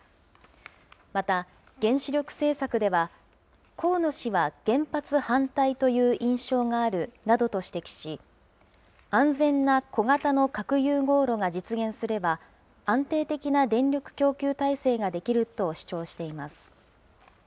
また、原子力政策では、河野氏は原発反対という印象があるなどと指摘し、安全な小型の核融合炉が実現すれば、安定的な電力供給体制が出来ると主張しています。